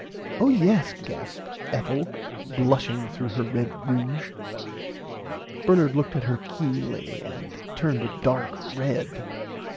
Oh yes gasped Ethel blushing through her red ruge. Bernard looked at her keenly and turned a dark red.